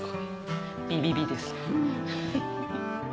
ビビビです。